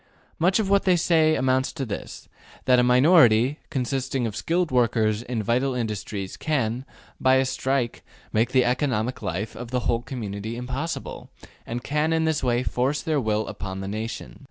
Much of what they say amounts to this: that a minority, consisting of skilled workers in vital industries, can, by a strike, make the economic life of the whole community impossible, and can in this way force their will upon the nation.